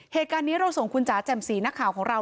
เหตุการณ์นี้เราส่งคุณจ๋าแจ่มสีนักข่าวของเรา